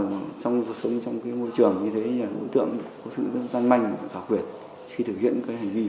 do trong môi trường như thế đối tượng có sự gian manh và giọt huyệt khi thực hiện hành vi phục tội của mình